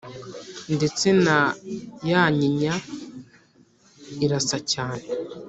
ndetse na ya nyinya irasa cyane